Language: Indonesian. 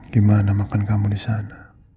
gimana makan kamu di sana